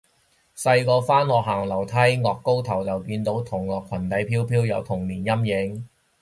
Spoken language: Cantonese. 細個返學行樓梯，顎高頭就見到同學裙底飄飄，有童年陰影